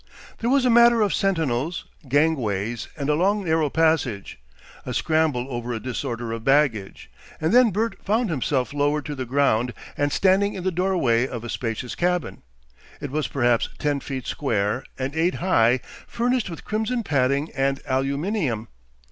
There was a matter of sentinels, gangways and a long narrow passage, a scramble over a disorder of baggage, and then Bert found himself lowered to the ground and standing in the doorway of a spacious cabin it was perhaps ten feet square and eight high, furnished with crimson padding and aluminium.